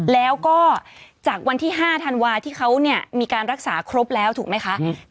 แล้วก็จากวันที่๕ธันวาที่เขาเนี่ยมีการรักษาครบแล้วถูกไหมคะ